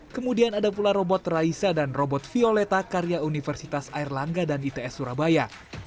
kemudian ada pula robot raisa dan robot violeta karya universitas airlangga dan its surabaya